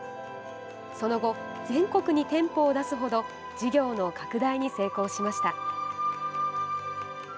その後、全国に店舗を出すほど事業の拡大に成功しました。